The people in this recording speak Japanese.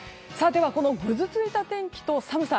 このぐずついた天気と寒さ